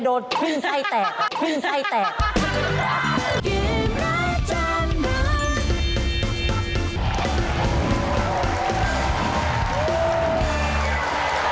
โดนทิ้งใจแตก